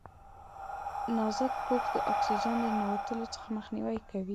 نازک پوښ د اکسیجن د ننوتلو څخه مخنیوی کوي.